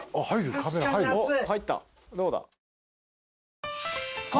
確かに熱い。